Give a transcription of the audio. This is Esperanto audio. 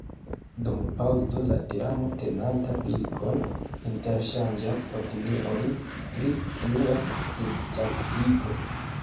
Dum paŭzo, la teamo tenanta pilkon, interŝanĝas opiniojn pri plua ludtaktiko.